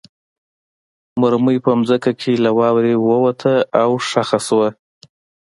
مرمۍ په ځمکه کې له واورې ووته او خښه شوه